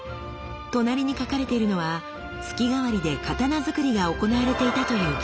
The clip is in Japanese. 隣に書かれているのは月替わりで刀づくりが行われていたという記録。